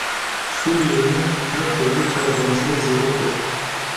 Sûriyeyê nirxê lîtreya benzînê zêde kir.